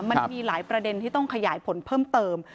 มันมีหลายประเด็นที่ต้องขยายผลเพิ่มเติม